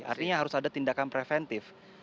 artinya harus ada tindakan preventif